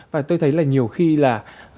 và tôi thấy là nhiều khi là